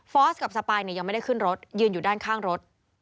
สกับสปายยังไม่ได้ขึ้นรถยืนอยู่ด้านข้างรถ